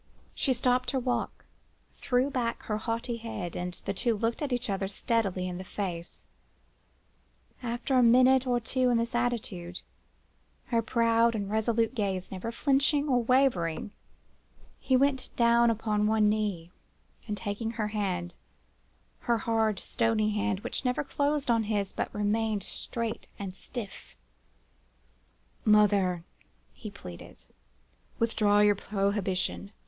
She stopped her walk, threw back her haughty head, and the two looked each other steadily in the face. After a minute or two in this attitude, her proud and resolute gaze never flinching or wavering, he went down upon one knee, and, taking her hand—her hard, stony hand, which never closed on his, but remained straight and stiff: "'Mother,' he pleaded, 'withdraw your prohibition.